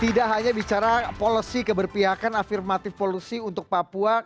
tidak hanya bicara policy keberpihakan afirmatif policy untuk papua